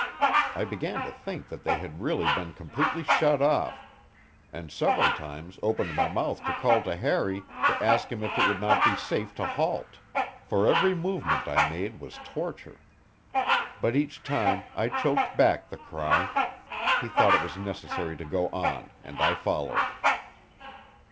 I began to think that they had really been completely shut off, and several times opened my mouth to call to Harry to ask him if it would not be safe to halt; for every movement I made was torture. But each time I choked back the cry; he thought it was necessary to go on and I followed.